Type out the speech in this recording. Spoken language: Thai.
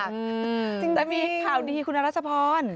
จริงจริงจริงจริงจริงจะมีข่าวดีพี่คุณอรัชพร